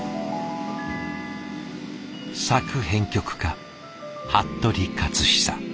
作編曲家服部克久。